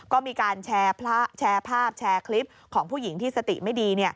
ก็มีการแชร์พระแชร์ภาพแชร์คลิปของผู้หญิงที่สติไม่ดี